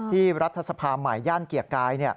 รัฐสภาใหม่ย่านเกียรติกาย